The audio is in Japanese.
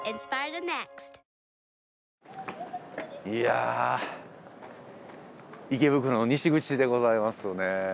いや池袋の西口でございますね